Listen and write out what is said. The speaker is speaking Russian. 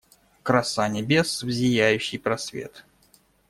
Краса небес в зияющий просвет;.